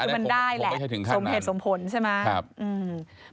คือมันได้แหละสมเหตุสมผลใช่ไหม